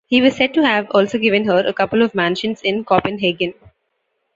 He was said to have also given her a couple of mansions in Copenhagen.